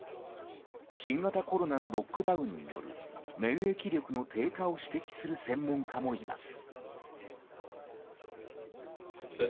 新型コロナのロックダウンによる免疫力の低下を指摘する専門家もいます。